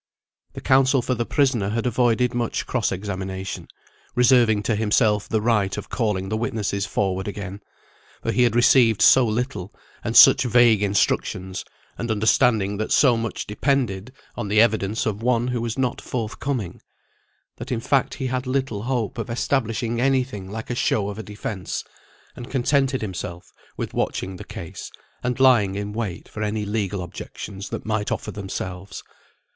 The counsel for the prisoner had avoided much cross examination, reserving to himself the right of calling the witnesses forward again; for he had received so little, and such vague instructions, and understood that so much depended on the evidence of one who was not forthcoming, that in fact he had little hope of establishing any thing like a show of a defence, and contented himself with watching the case, and lying in wait for any legal objections that might offer themselves.